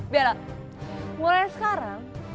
bella mulai sekarang